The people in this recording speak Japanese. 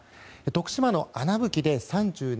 徳島の穴吹で３７．１度。